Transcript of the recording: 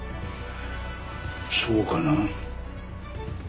そうかな？